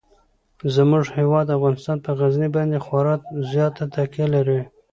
زموږ هیواد افغانستان په غزني باندې خورا زیاته تکیه لري.